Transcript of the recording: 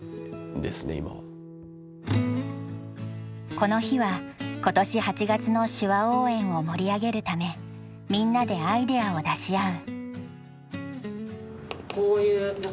この日は今年８月の手話応援を盛り上げるためみんなでアイデアを出し合う。